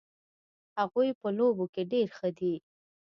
هغوی په لوبو کې ډېر ښه دي